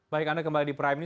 baik anda kembali di prime news